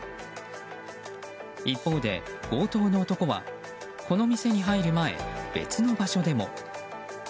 一方で強盗の男はこの店に入る前、別の場所でも。